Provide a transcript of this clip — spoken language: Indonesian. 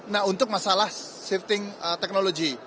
nah untuk masalah shifting technology